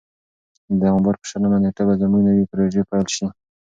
د نوامبر په شلمه نېټه به زموږ نوې پروژې پیل شي.